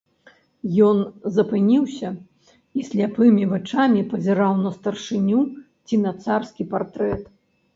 Ён запыніўся і сляпымі вачамі пазіраў на старшыню ці на царскі партрэт.